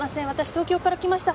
東京から来ました